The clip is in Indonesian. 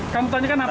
kamu tanyakan apa